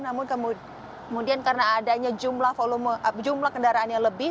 namun kemudian karena adanya jumlah kendaraan yang lebih